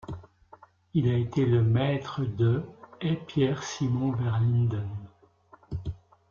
Il a été le maître de et Pierre Simon Verlinden.